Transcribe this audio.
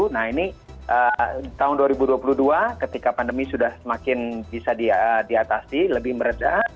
nah ini tahun dua ribu dua puluh dua ketika pandemi sudah semakin bisa diatasi lebih meredah